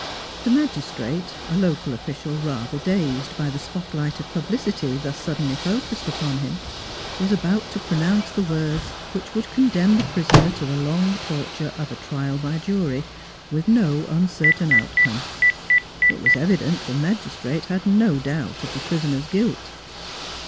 The magistrate, a local official rather dazed by the spot light of publicity thus suddenly focused upon him, was about to pronounce the words which would condemn the prisoner to the long torture of a trial by jury, with no uncertain out come. It was evident that the magistrate had no doubt of the prisoner's guilt.